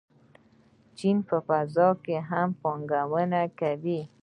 چین په فضا کې هم پانګونه کوي.